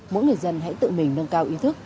mỗi người dân hãy tự mình nâng cao ý thức